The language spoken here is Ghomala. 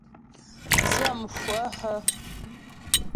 Dyə̂mhwə hə́ ?